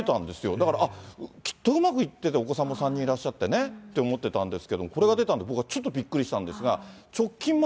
だから、あっ、きっとうまくいってて、お子さんも３人いらっしゃってねって思ってたんですけども、これが出て僕はちょっとびっくりしたんですが。